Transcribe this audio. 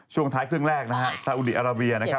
ช่วงท้ายครึ่งแรกนะฮะซาอุดีอาราเบียนะครับ